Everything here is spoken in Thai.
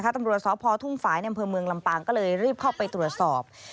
ตำรวจสพทุ่งฝ่ายในอำเภอเมืองลำปางก็เลยรีบเข้าไปตรวจสอบ